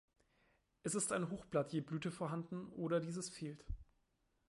Es ist ein Hochblatt je Blüte vorhanden oder dieses fehlt.